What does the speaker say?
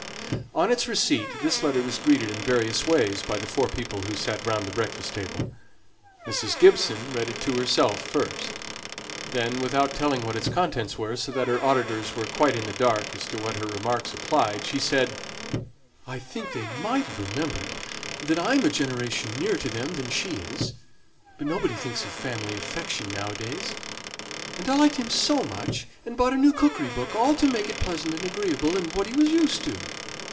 On its receipt, this letter was greeted in various ways by the four people who sate round the breakfast table. Mrs. Gibson read it to herself first. Then, without telling what its contents were, so that her auditors were quite in the dark as to what her remarks applied, she said, "I think they might have remembered that I am a generation nearer to them than she is, but nobody thinks of family affection now a days; and I liked him so much, and bought a new cookery book, all to make it pleasant and agreeable and what he was used to."